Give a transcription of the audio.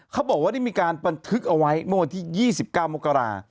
เขาบอกว่าได้มีการบันทึกเอาไว้เมื่อวันที่๒๙มกรา